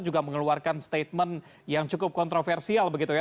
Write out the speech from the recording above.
juga mengeluarkan statement yang cukup kontroversial begitu ya